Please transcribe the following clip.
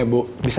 aku mau ke rumah